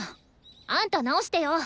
あんた直してよ。